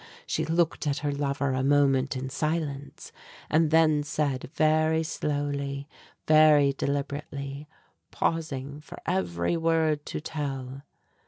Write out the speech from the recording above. She looked at her lover a moment in silence, and then said very slowly, very deliberately, pausing for every word to tell.